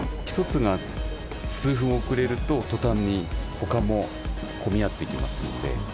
一つが数分遅れると途端にほかも混み合ってきますので。